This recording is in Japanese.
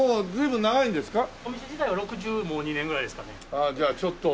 ああじゃあちょっと。